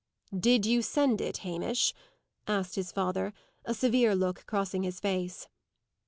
"Did you send it, Hamish?" asked his father, a severe look crossing his face.